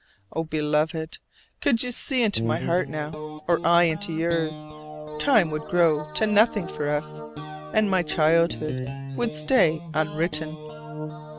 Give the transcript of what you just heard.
Oh, Beloved, could you see into my heart now, or I into yours, time would grow to nothing for us; and my childhood would stay unwritten!